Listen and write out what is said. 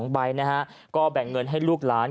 ใบนะฮะก็แบ่งเงินให้ลูกหลาน